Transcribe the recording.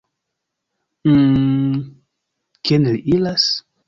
Uh... kien li iras?